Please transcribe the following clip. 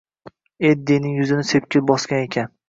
Eddining yuzini sepkil bosgan ekan